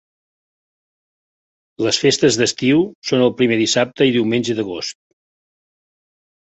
Les festes d'estiu són el primer dissabte i diumenge d'agost.